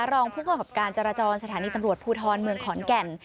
รองผู้กำกับการจราจรสถานีตำรวจภูทรเมืองขอนแก่น